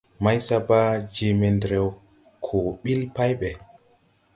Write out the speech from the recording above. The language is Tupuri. Maysaba jee mendrew ko ɓil pay ɓɛ.